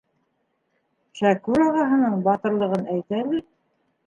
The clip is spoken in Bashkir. Шәкүр ағаһының батырлығын әйт әле.